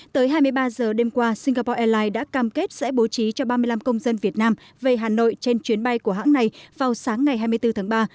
tới hai mươi ba giờ đêm qua singapore airlines đã cam kết sẽ bố trí cho ba mươi năm công dân việt nam về hà nội trên chuyến bay của hãng này vào sáng ngày hai mươi bốn tháng ba